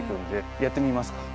やってみますか？